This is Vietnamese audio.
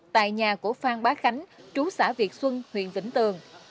tại nhà của phan bá khánh chú xã việt xuân huyện vĩnh tường